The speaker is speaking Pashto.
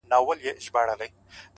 • ستا د سترگو جام مي د زړه ور مات كـړ؛